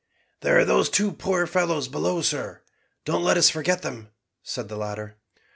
"There are those two poor fellows below, sir. Don't let us forget them," said the latter.